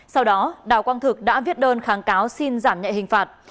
sau đó đào quang thực đã viết đơn kháng cáo xin giảm nhẹ hình phạt